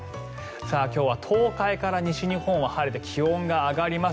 今日は東海から西日本は晴れて、気温が上がります。